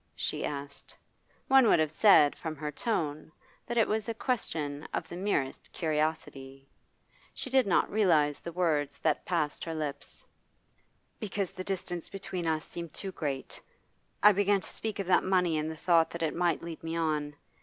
she asked. One would have said, from her tone, that it was a question of the merest curiosity. She did not realise the words that passed her lips. 'Because the distance between us seemed too great. I began to speak of that money in the thought that it might lead me on.